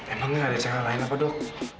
emang gak ada cara lain apa dok